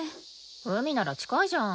海なら近いじゃん。